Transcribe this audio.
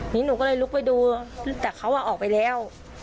นี่หนูก็เลยลุกไปดูแต่เขาออกไปแล้ว